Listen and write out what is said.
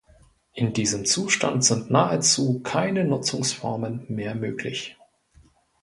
In diesem Zustand sind nahezu keine Nutzungsformen mehr möglich.